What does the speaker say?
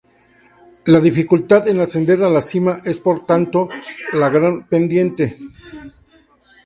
La dificultad en ascender a la cima es, por tanto, la gran pendiente.